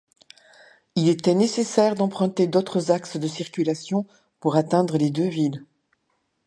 Il était nécessaire d'emprunter d'autres axes de circulation pour atteindre les deux villes.